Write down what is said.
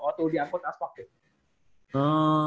waktu diangkut aspak ya